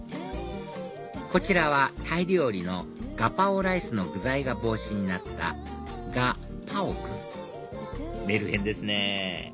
こちらはタイ料理のガパオライスの具材が帽子になったガ・パオくんメルヘンですね